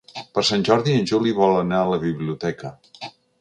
Per Sant Jordi en Juli vol anar a la biblioteca.